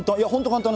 簡単。